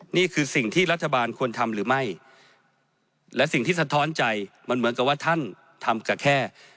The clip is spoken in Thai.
นี่คือสิ่งที่รัฐบาลควรทำหรือไม่และสิ่งที่สะท้อนใจมันเหมือนกับว่าท่านทำกับแค่